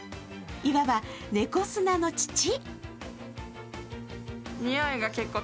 いわば猫砂の父。